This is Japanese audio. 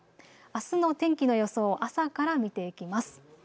あすの天気の予想を朝から見ていきます。